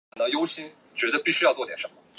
后来递补为中共广东省委委员。